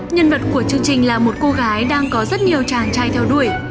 nhân vật của chương trình là một cô gái đang có rất nhiều chàng trai theo đuổi